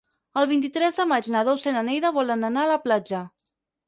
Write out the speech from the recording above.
El vint-i-tres de maig na Dolça i na Neida volen anar a la platja.